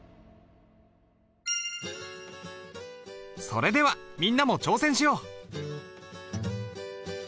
それではみんなも挑戦しよう。